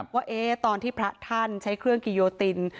ว่าตอนที่พระท่านใช้เครื่องกิโยติน